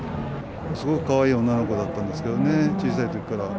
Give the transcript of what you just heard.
すごくかわいい女の子だったんですけどね、小さいときから。